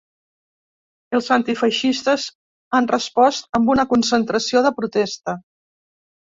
Els antifeixistes han respost amb una concentració de protesta.